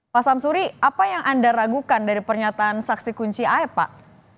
pak samsuri apa yang anda ragukan dari pernyataan saksi kunci air pak